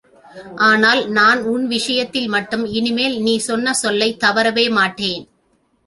ஆனால், நான் உன் விஷயத்தில் மட்டும் இனிமேல் நீ சொன்ன சொல்லைத் தவறவே மாட்டேன்.